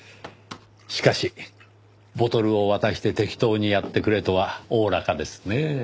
しかしボトルを渡して適当にやってくれとはおおらかですねぇ。